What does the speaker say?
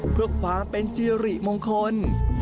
เพื่อความเป็นจิริมงคล